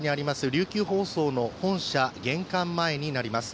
琉球放送の本社玄関前になります。